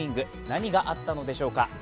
何があったのでしょうか？